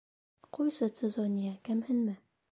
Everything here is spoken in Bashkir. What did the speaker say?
Ҡуйсы, Цезония, кәмһенмә.